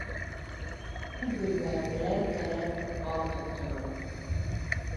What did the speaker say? Ул беҙгә берәр кәрәҙ бал тотторор.